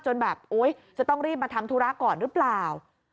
แบบโอ๊ยจะต้องรีบมาทำธุระก่อนหรือเปล่า